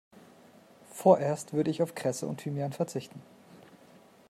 Vorerst würde ich auf Kresse und Thymian verzichten.